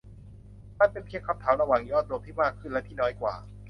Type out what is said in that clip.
มันเป็นเพียงคำถามระหว่าง ยอดรวมที่มากขึ้นและที่น้อยกว่า